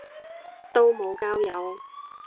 都無交友